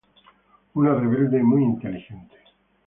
Una rebelde muy inteligente.